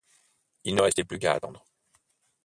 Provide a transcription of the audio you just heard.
Il ne restait plus qu’à attendre.